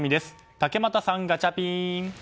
竹俣さん、ガチャピン！